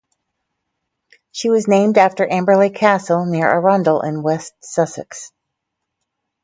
She was named after Amberley Castle near Arundel in West Sussex.